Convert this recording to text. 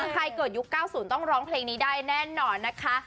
ใครเกิดยุค๙๐ต้องร้องเพลงนี้ได้แน่นอนนะคะ